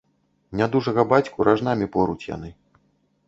Нядужага бацьку ражнамі поруць яны.